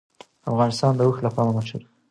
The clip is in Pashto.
افغانستان د اوښ لپاره مشهور دی.